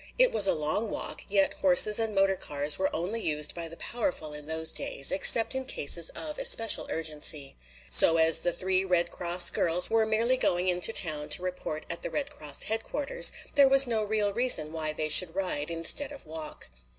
It was a long walk, yet horses and motor cars were only used by the powerful in these days, except in cases of especial urgency. So as the three Red Cross girls were merely going into town to report at the Red Cross headquarters, there was no real reason why they should ride instead of walk.